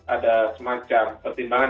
ada semacam pertimbangan pertimbangan